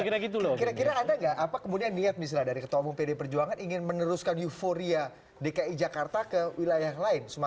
kira kira ada nggak apa kemudian niat misalnya dari ketua umum pd perjuangan ingin meneruskan euforia dki jakarta ke wilayah lain sumatera